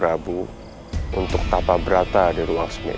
rig dessus yang bernama star spoilers di ruang semedi